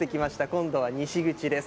今度は西口です。